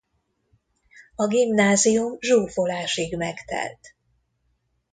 A gimnázium zsúfolásig megtelt.